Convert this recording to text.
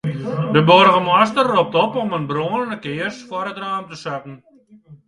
De boargemaster ropt op om in brânende kears foar it raam te setten.